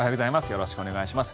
よろしくお願いします。